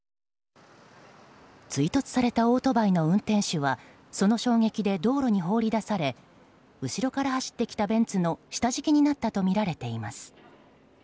追突されたオートバイの運転手はその衝撃で道路に放り出され後ろから走ってきたベンツの下敷きになったとみられています。